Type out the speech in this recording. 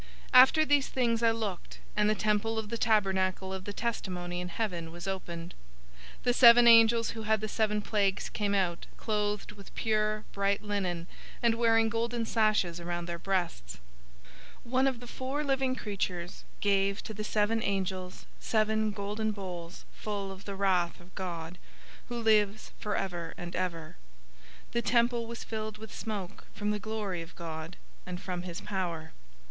015:005 After these things I looked, and the temple of the tabernacle of the testimony in heaven was opened. 015:006 The seven angels who had the seven plagues came out, clothed with pure, bright linen, and wearing golden sashes around their breasts. 015:007 One of the four living creatures gave to the seven angels seven golden bowls full of the wrath of God, who lives forever and ever. 015:008 The temple was filled with smoke from the glory of God, and from his power.